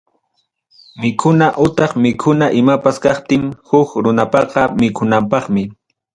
Mikuna utaq mikuna imapas kaptin huk runapaqa mikunanpaqmi.